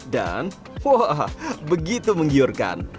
dan wah begitu menggiurkan